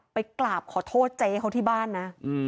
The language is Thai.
ไปกราบขอโทษเจ๊เขาที่บ้านนะ